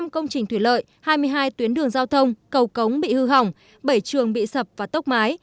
một mươi công trình thủy lợi hai mươi hai tuyến đường giao thông cầu cống bị hư hỏng bảy trường bị sập và tốc mái